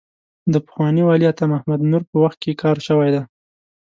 د پخواني والي عطا محمد نور په وخت کې کار شوی دی.